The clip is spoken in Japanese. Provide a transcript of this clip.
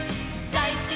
だいすき！